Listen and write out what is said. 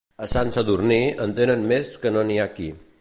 A Sant Sadurní, en tenen més que no n'hi ha aquí.